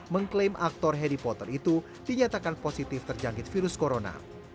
mengklaim aktor harry potter itu dinyatakan positif terjangkit virus corona